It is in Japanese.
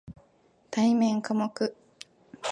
対面科目